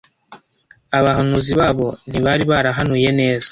Abahanuzi babo ntibari barahanuye neza